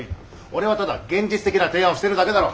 俺はただ現実的な提案をしてるだけだろ。